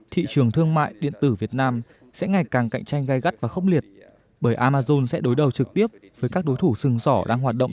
trước mắt là phải nắm rõ marketing online